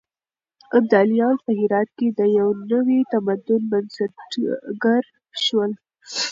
ابداليان په هرات کې د يو نوي تمدن بنسټګر شول.